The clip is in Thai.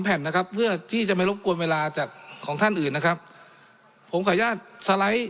แผ่นนะครับเพื่อที่จะไม่รบกวนเวลาจากของท่านอื่นนะครับผมขออนุญาตสไลด์